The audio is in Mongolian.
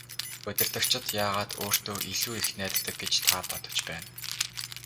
Удирдагчид яагаад өөртөө илүү их найддаг гэж та бодож байна?